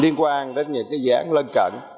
liên quan đến những cái gián lân cận